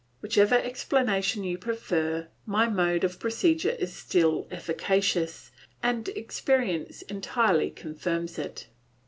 [Whichever explanation you prefer, my mode of procedure is still efficacious, and experience entirely confirms it.